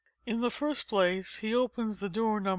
In the first place he opens the door No.